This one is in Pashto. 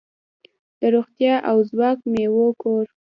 د روغتیا او ځواک میوو کور.